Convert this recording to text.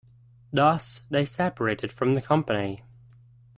Thus, they separated from the company.